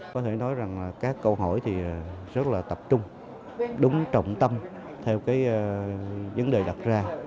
có thể nói rằng là các câu hỏi thì rất là tập trung đúng trọng tâm theo cái vấn đề đặt ra